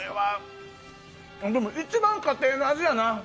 一番家庭の味やな。